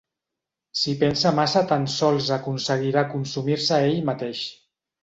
Si pensa massa tan sols aconseguirà consumir-se ell mateix.